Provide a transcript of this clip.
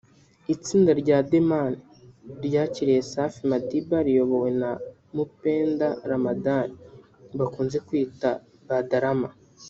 Itsinda rya The Mane ryakiriye Safi Madiba riyobowe na Mupenda Ramadhan bakunze kwita Bad Rama